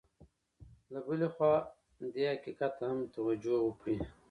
له بلې خوا دې حقیقت ته هم توجه وکړي.